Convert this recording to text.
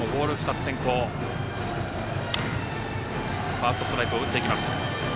ファーストストライクを打っていきます。